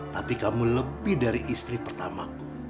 tapi kamu lebih dari istri pertamaku